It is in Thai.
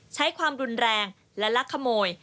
ใช้ความรุนแรงและลักขโมย